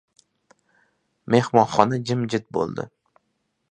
Mehmonxona jimjit bo‘ldi.